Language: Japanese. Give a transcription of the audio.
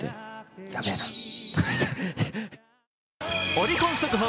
オリコン速報。